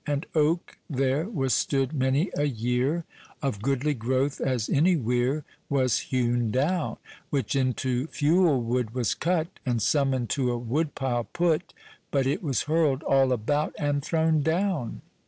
An oake there was stood many a yeere, Of goodly growth as any where, Was hewn down, Which into fewell wood was cut, And some into a wood pile put, But it was hurled all about And thrown down.